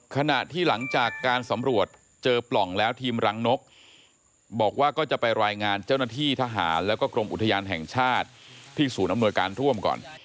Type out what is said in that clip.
ขณะที่หลังจากการสำรวจเจอปล่องแล้วทีมรังนกบอกว่าก็จะไปรายงานเจ้าหน้าที่ทหารแล้วก็กรมอุทยานแห่งชาติที่ศูนย์อำนวยการร่วมก่อน